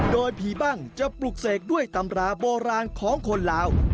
โดยผีบ้างจะปลุกเสกด้วยตำราโบราณของคนลาว